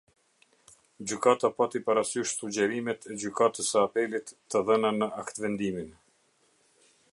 Gjykata pati parasysh sugjerimet e Gjykatës së Apelit të dhëna në Aktvendimin.